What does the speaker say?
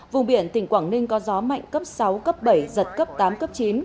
vùng biển tỉnh quảng ninh có gió mạnh cấp sáu cấp bảy giật cấp tám cấp chín